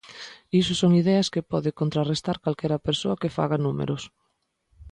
Iso son ideas que pode contrarrestar calquera persoa que faga números.